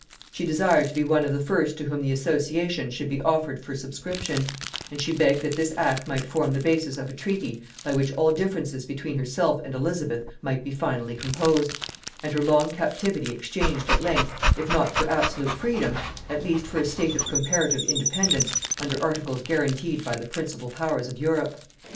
She desired to be one of the first to whom the association should be offered for subscription; and she begged that this act might form the basis of a treaty by which all differences between herself and Elizabeth might be finally composed, and her long captivity exchanged at length, if not for absolute freedom, at least for a state of comparative independence under articles guarantied by the principal powers of Europe.